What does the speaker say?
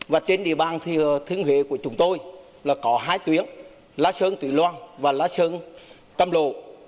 và trên địa bàn thương huệ của chúng tôi là có hai tuyến lá sơn tùy loan và lá sơn tâm lộ